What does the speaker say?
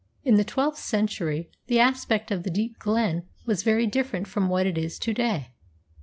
In the twelfth century the aspect of the deep glen was very different from what it is to day.